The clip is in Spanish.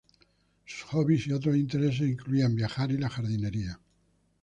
Sus hobbies y otros intereses incluían viajar y la jardinería.